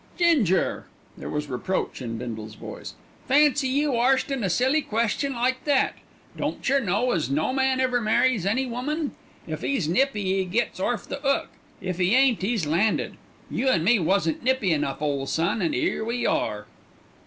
"Ginger!" There was reproach in Bindle's voice. "Fancy you arstin' a silly question like that. Don't yer know as no man ever marries any woman? If 'e's nippy 'e gets orf the 'ook; if 'e ain't 'e's landed. You an' me wasn't nippy enough, ole son, an' 'ere we are."